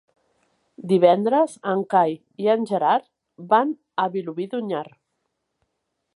Divendres en Cai i en Gerard van a Vilobí d'Onyar.